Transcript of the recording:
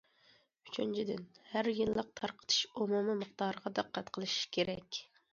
ئۈچىنچىدىن، ھەر يىللىق تارقىتىلىش ئومۇمىي مىقدارىغا دىققەت قىلىش كېرەك.